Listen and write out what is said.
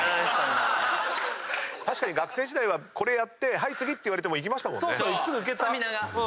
学生時代はこれやって「はい次」って言われてもいきましたもんね。